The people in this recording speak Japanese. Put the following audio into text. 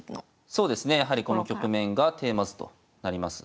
そうですねやはりこの局面がテーマ図となります。